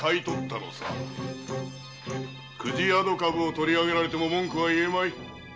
公事宿株を取り上げられても文句は言えまい。